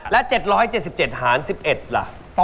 แล้ว๗๗หาร๑๑ล่ะ